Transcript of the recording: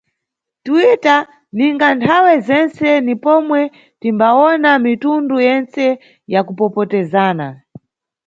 Twitter ninga nthawe zentse ni pomwe timbawona mitundu yentse ya kupopotezana.